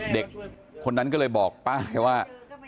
เด็กคนนั้นก็เลยบอกป้าแกว่า